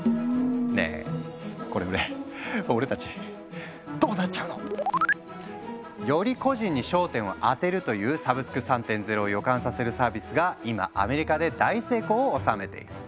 ねえこれで俺たちどうなっちゃうの？より個人に焦点を当てるというサブスク３．０を予感させるサービスが今アメリカで大成功を収めている。